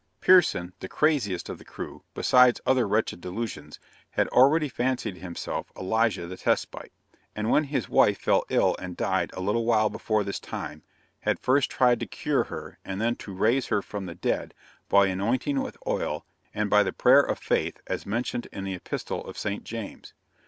Pierson, the craziest of the crew, besides other wretched delusions, had already fancied himself Elijah the Tishbite; and when his wife fell ill and died a little while before this time, had first tried to cure her, and then to raise her from the dead, by anointing with oil and by the prayer of faith, as mentioned in the Epistle of Saint James.